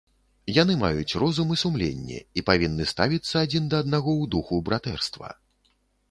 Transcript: Яны маюць розум і сумленне, і павінны ставіцца адзін да аднаго ў духу братэрства.